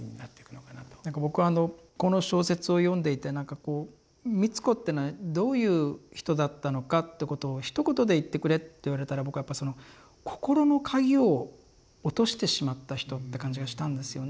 僕はこの小説を読んでいてなんかこう美津子ってのはどういう人だったのかってことをひと言で言ってくれって言われたら僕はやっぱその心の鍵を落としてしまった人って感じがしたんですよね。